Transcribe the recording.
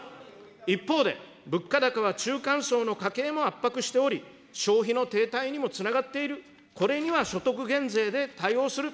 一方で物価高は中間層の家計も圧迫しており、消費の停滞にもつながっている、これには所得減税で対応する。